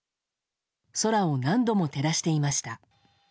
空を何度も照らしていました。